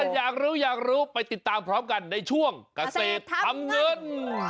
อยากรู้อยากรู้ไปติดตามพร้อมกันในช่วงเกษตรทำเงิน